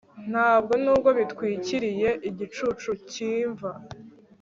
Ntabwo nubwo bitwikiriye igicucu cyimva